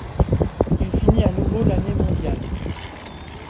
Il finit à nouveau l'année mondial.